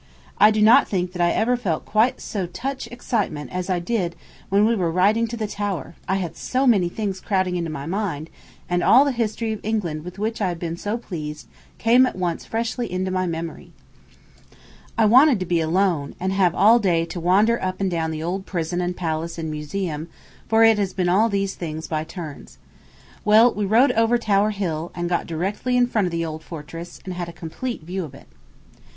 I do not think that I ever felt quite so touch excitement as I did when we were riding to the Tower, I had so many things crowding into my mind; and all the history of England with which I have been so pleased came at once freshly into my memory. I wanted to be alone, and have all day to wander up and down the old prison and palace and museum, for it has been all these things by turns. Well, we rode over Tower Hill, and got directly in front of the old fortress, and had a complete view of it.